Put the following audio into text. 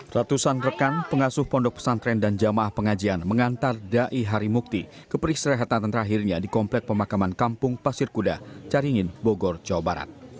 ratusan rekan pengasuh pondok pesantren dan jamaah pengajian mengantar dai harimukti ke peristirahatan terakhirnya di komplek pemakaman kampung pasir kuda caringin bogor jawa barat